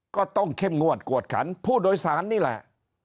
ก็ต้องเข้มงวดกวดขันผู้โดยสารนี่แหละ